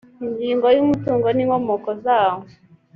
ingingo ya umutungo n inkomoko zawo